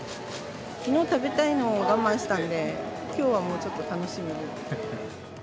きのう食べたいのを我慢したんで、きょうはちょっと楽しみに。